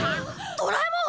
ドラえもん！